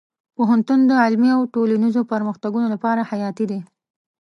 پوهنتون د علمي او ټولنیزو پرمختګونو لپاره حیاتي دی.